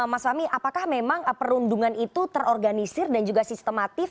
mas fahmi apakah memang perundungan itu terorganisir dan juga sistematif